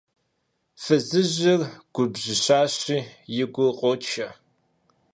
Фызыр губжьыщащи, и гур къочэ.